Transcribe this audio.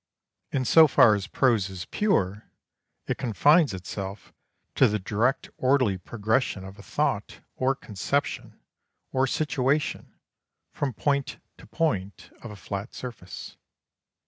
In so far as prose is pure, it confines itself to the direct orderly progression of a thought or conception or situation from point to point of a flat surface.